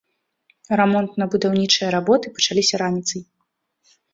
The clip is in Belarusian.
Рамонтна-будаўнічыя работы пачаліся раніцай.